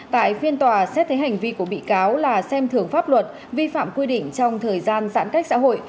tại phiên tòa xét thấy hành vi của bị cáo là xem thường pháp luật vi phạm quy định trong thời gian giãn cách xã hội